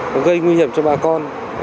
nó gây nguy hiểm cho bà con